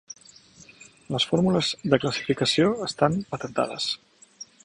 Les formules de classificació estan patentades.